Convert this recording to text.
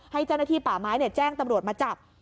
ให้เจ้าหน้าที่ป่าไม้แจ้งตำรวจมาจับ